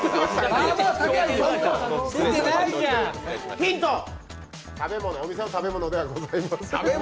ヒント、お店の食べ物ではございません。